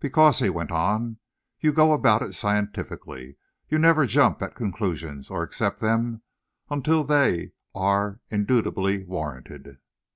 "Because," he went on, "you go about it scientifically, and you never jump at conclusions, or accept them, until they're indubitably warranted."